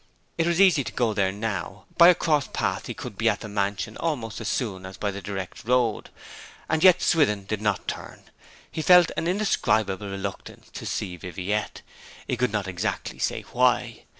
It was easy to go there now: by a cross path he could be at the mansion almost as soon as by the direct road. And yet Swithin did not turn; he felt an indescribable reluctance to see Viviette. He could not exactly say why.